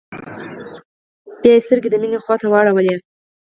بيا يې سترګې د مينې خواته واړولې.